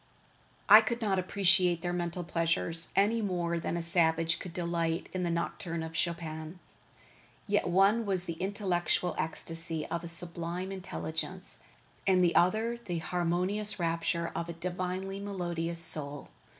I could not appreciate their mental pleasures, any more than a savage could delight in a nocturne of Chopin. Yet one was the intellectual ecstasy of a sublime intelligence, and the other the harmonious rapture of a divinely melodious soul.